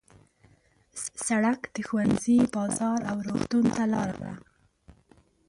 سړک د ښوونځي، بازار او روغتون ته لاره ده.